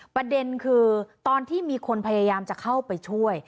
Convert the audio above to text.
ประเด็นคือตอนที่มีคนพยายามจะเข้าไปช่วย